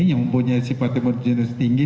yang mempunyai sifat imerginas tinggi